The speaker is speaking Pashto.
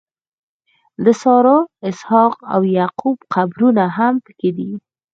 د سارا، اسحاق او یعقوب قبرونه هم په کې دي.